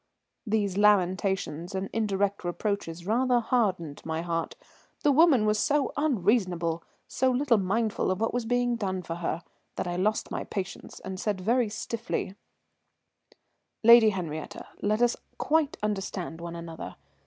These lamentations and indirect reproaches rather hardened my heart. The woman was so unreasonable, so little mindful of what was being done for her, that I lost my patience, and said very stiffly: "Lady Henriette, let us quite understand one another.